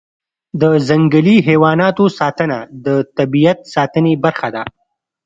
د ځنګلي حیواناتو ساتنه د طبیعت ساتنې برخه ده.